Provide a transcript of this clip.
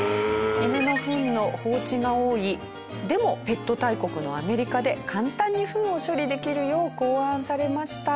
犬のフンの放置が多いでもペット大国のアメリカで簡単にフンを処理できるよう考案されました。